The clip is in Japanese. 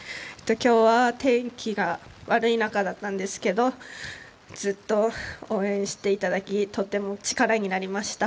今日は天気が悪い中でしたがずっと応援していただきとても力になりました。